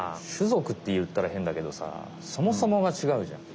ぞくっていったらへんだけどさそもそもがちがうじゃん。